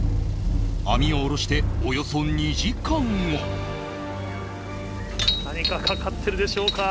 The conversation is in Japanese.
網を下ろして、およそ２時間何か掛かってるでしょうか。